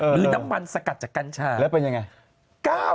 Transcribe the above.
หรือน้ำมันสกัดจากกัญชาแล้วเป็นยังไง